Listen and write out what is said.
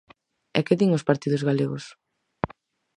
E que din os partidos galegos?